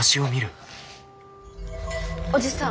おじさん